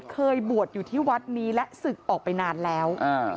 เคยบวชอยู่ที่วัดนี้และศึกออกไปนานแล้วอ่า